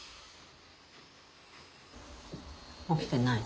起きてない？